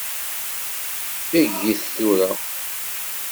Eg-it tura.